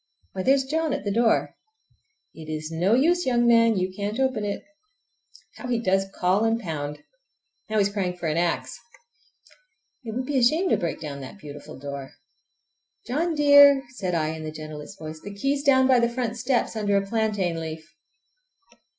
Why, there's John at the door! It is no use, young man, you can't open it! How he does call and pound! Now he's crying for an axe. It would be a shame to break down that beautiful door! "John dear!" said I in the gentlest voice, "the key is down by the front steps, under a plantain leaf!"